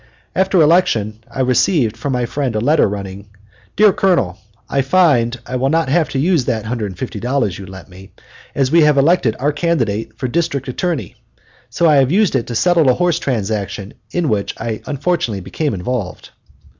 After election I received from my friend a letter running: "Dear Colonel: I find I will not have to use that $150 you lent me, as we have elected our candidate for District Attorney. So I have used it to settle a horse transaction in which I unfortunately became involved."